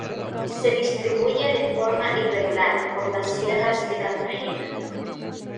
Se distribuye de forma irregular por las Sierras de Cartagena.